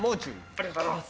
ありがとうございます。